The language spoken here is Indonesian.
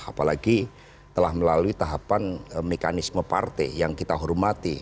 apalagi telah melalui tahapan mekanisme partai yang kita hormati